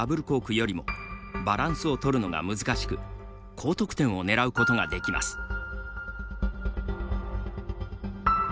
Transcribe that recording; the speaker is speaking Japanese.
コークよりもバランスを取るのが難しく高得点をねらうことができます。